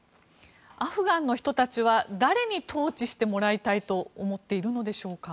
アフガンの人たちは誰に統治してもらいたいと思っているのでしょうか。